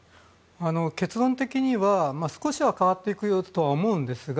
結論的には少しは変わっていくと思うんですが